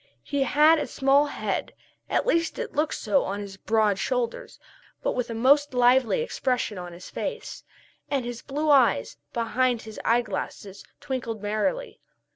He had a small head, at least it looked so on his broad shoulders, but with a most lively expression on his face, and his blue eyes behind his eye glasses twinkled merrily.